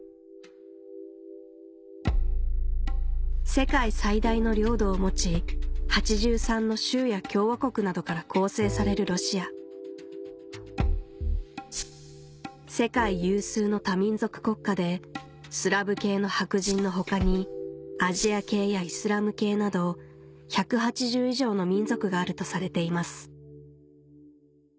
世界最大の領土を持ち８３の州や共和国などから構成されるロシア世界有数の多民族国家でスラブ系の白人の他にアジア系やイスラム系など１８０以上の民族があるとされています